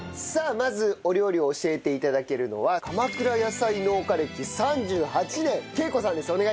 まずお料理を教えて頂けるのは鎌倉野菜農家歴３８年桂子さんです。